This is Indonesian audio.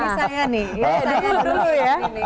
saya dulu ya